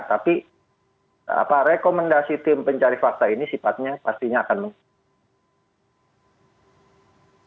tapi rekomendasi tim pencari fakta ini sifatnya pastinya akan muncul